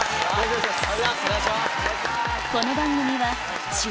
お願いします。